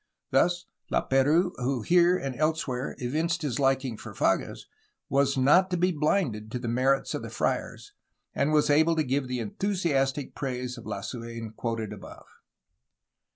Thus, Lap^rouse, who here and elsewhere evinced his liking for Fages, was not blinded to the merits of the friars, and was able to give the enthusiastic praise of Lasuen quoted above.